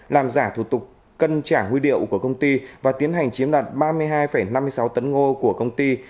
làm giả thủ tục cân trả nguyên điệu của công ty và tiến hành chiếm đoạt ba mươi hai năm mươi sáu tấn ngô của công ty